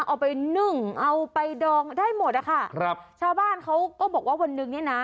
เอาไปนึ่งเอาไปดองได้หมดอะค่ะครับชาวบ้านเขาก็บอกว่าวันหนึ่งเนี่ยนะ